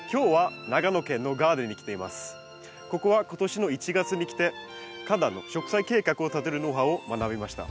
ここは今年の１月に来て花壇の植栽計画を立てるノウハウを学びました。